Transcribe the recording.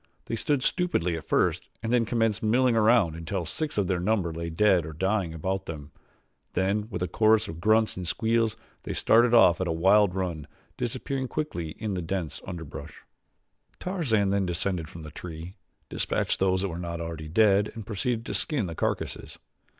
They stood stupidly at first and then commenced milling around until six of their number lay dead or dying about them; then with a chorus of grunts and squeals they started off at a wild run, disappearing quickly in the dense underbrush. Tarzan then descended from the tree, dispatched those that were not already dead and proceeded to skin the carcasses.